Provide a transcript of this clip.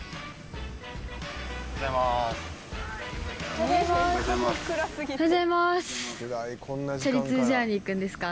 おはようございます。